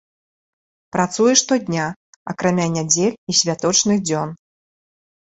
Працуе штодня, акрамя нядзель і святочных дзён.